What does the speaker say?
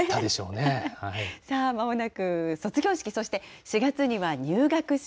さあ、まもなく卒業式、そして４月には入学式。